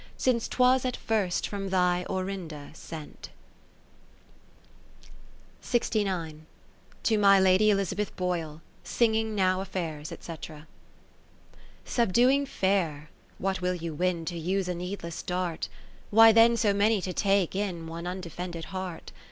Since 'twas at first from thy Orinda sent. To my Lady Elizabeth Boyle, singing Now affairs^, &c. Subduing Fair ! what will you win To use a needless dart ? Why then so many to take in One undefended heart